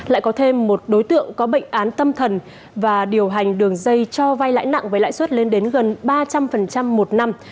lại có thêm một đối tượng có bệnh án tâm thần và điều hành đường dây cho vay lãi nặng với lãi suất lên đến gần ba trăm linh một năm